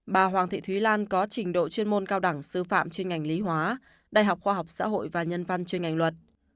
bà hoàng thị thúy lan có trình độ chuyên môn cao đẳng sư phạm chuyên ngành lý hóa đại học khoa học xã hội và nhân văn chuyên ngành luật